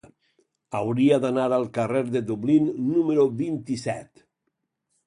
Hauria d'anar al carrer de Dublín número vint-i-set.